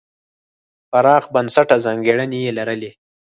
پراخ بنسټه ځانګړنې یې لرلې.